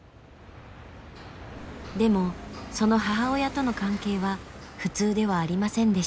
でもその母親との関係は普通ではありませんでした。